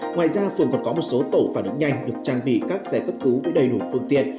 ngoài ra phường còn có một số tổ phản ứng nhanh được trang bị các giải cấp cứu với đầy đủ phương tiện